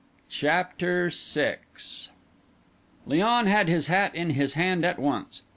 CHAPTER VI Léon had his hat in his hand at once.